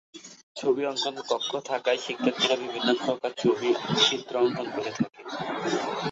ছবি অঙ্কন কক্ষ থাকায় শিক্ষার্থীরা বিভিন্ন প্রকার ছবি, চিত্র অঙ্কন করে থাকে।